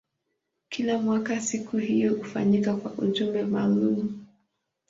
Kila mwaka siku hiyo hufanyika kwa ujumbe maalumu.